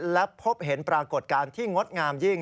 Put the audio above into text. และพบเห็นปรากฏการณ์ที่งดงามยิ่ง